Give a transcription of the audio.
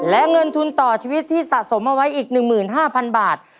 และเงินทุนต่อชีวิตที่สะสมเอาไว้อีก๑๕๐๐๐บาท